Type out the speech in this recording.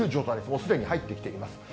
もうすでに入ってきています。